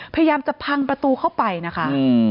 พยายามจะพังประตูเข้าไปนะคะ